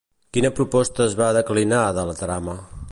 Quina proposta es va declinar de la trama?